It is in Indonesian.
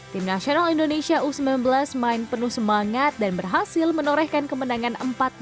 tim nasional indonesia u sembilan belas main penuh semangat dan berhasil menorehkan kemenangan empat dua